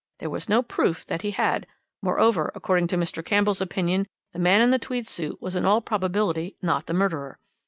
There was no proof that he had; moreover, according to Mr. Campbell's opinion, the man in the tweed suit was in all probability not the murderer.